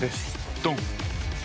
ドン！